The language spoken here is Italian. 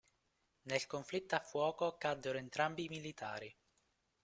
Nel conflitto a fuoco caddero entrambi i militari.